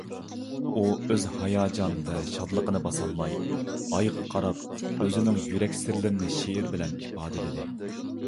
ئۇ ئۆز ھاياجان ۋە شادلىقىنى باسالماي، ئايغا قاراپ ئۆزىنىڭ يۈرەك سىرلىرىنى شېئىر بىلەن ئىپادىلىدى.